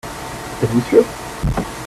Êtes-vous sûr ?